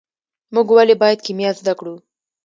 موږ ولې باید کیمیا زده کړو.